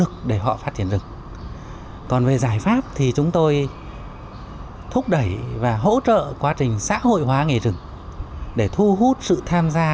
sở quá trình xã hội hóa nghề rừng để thu hút sự tham gia